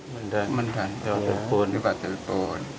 mendang mendang telepon telepon